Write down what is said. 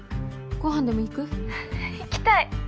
ご飯でも行く？行きたい！